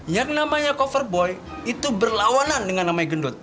yang namanya coverboy itu berlawanan dengan namanya gendut